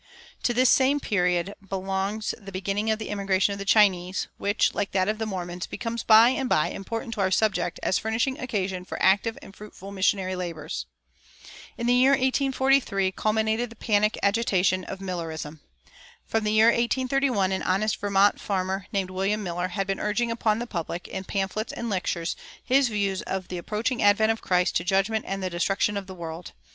[335:1] To this same period belongs the beginning of the immigration of the Chinese, which, like that of the Mormons, becomes by and by important to our subject as furnishing occasion for active and fruitful missionary labors. In the year 1843 culminated the panic agitation of Millerism. From the year 1831 an honest Vermont farmer named William Miller had been urging upon the public, in pamphlets and lectures, his views of the approaching advent of Christ to judgment and the destruction of the world.